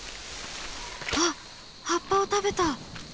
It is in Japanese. あっ葉っぱを食べた！